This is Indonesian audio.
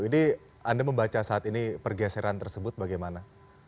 ini anda membaca saat ini pergeseran tersebut bagaimana